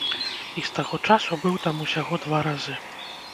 І з таго часу быў там усяго два разы.